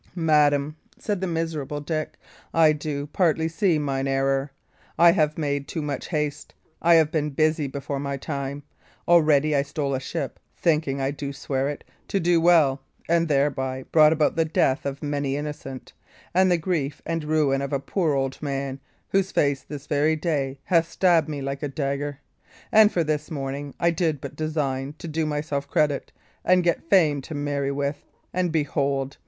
"Madam," said the miserable Dick, "I do partly see mine error. I have made too much haste; I have been busy before my time. Already I stole a ship thinking, I do swear it, to do well and thereby brought about the death of many innocent, and the grief and ruin of a poor old man whose face this very day hath stabbed me like a dagger. And for this morning, I did but design to do myself credit, and get fame to marry with, and, behold!